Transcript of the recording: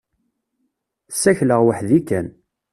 Ssakleɣ weḥd-i kan.